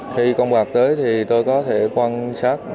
khi con bạc tới thì tôi có thể quan sát